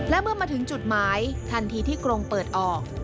และเมื่อมาถึงจุดหมายทันทีที่กรงเปิดออก